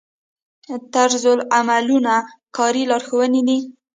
طرزالعملونه کاري لارښوونې دي